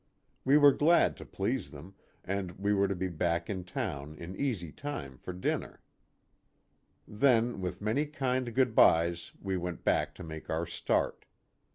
We were glad to please them, and we were to be back in town in easy time for dinner. 56 A PICNIC NEAR THE EQUATOR. Then, with many kind good bys we went back to make our start.